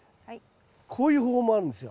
こういう方法もあるんですよ。